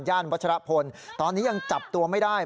วัชรพลตอนนี้ยังจับตัวไม่ได้